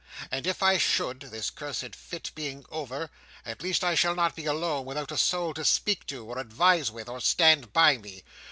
And if I should (this cursed fit being over), at least I shall not be alone, without a soul to speak to, or advise with, or stand by me.